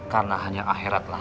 karena hanya akhiratlah